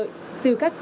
trong giai đoạn khó khăn